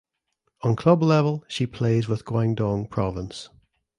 On club level she plays with Guangdong Province.